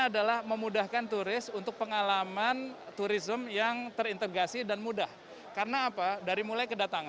adalah memudahkan turis untuk pengalaman turisme yang terintegrasi dan mudah karena apa dari mulai kedatangan